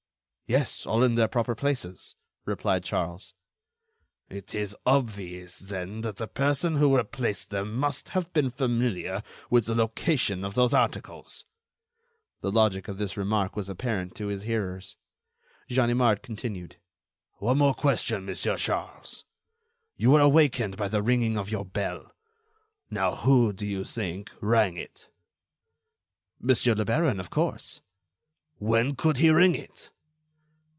"Yes, all in their proper places," replied Charles. "It is obvious, then, that the person who replaced them must have been familiar with the location of those articles." The logic of this remark was apparent to his hearers. Ganimard continued: "One more question, Monsieur Charles. You were awakened by the ringing of your bell. Now, who, do you think, rang it?" "Monsieur le baron, of course." "When could he ring it?"